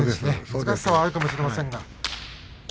つらさはあるかもしれませんが。